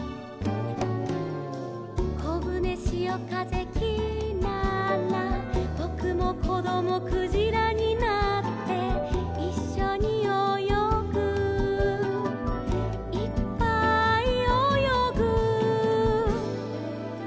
「こぶねしおかぜきらら」「ぼくもこどもクジラになって」「いっしょにおよぐいっぱいおよぐ」